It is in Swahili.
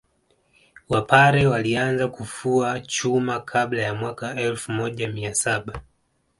Wapare walianza kufua chuma kabla ya mwaka elfu moja mia saba